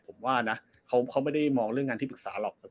ผมว่านะเขาไม่ได้มองเรื่องงานที่ปรึกษาหรอก